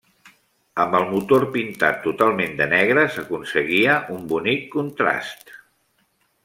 Amb el motor pintat totalment de negre s'aconseguia un bonic contrast.